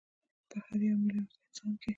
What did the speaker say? په هر یو میلیارد انسان کې